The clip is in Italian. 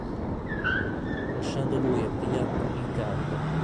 Lasciando lui e Wyatt in carica.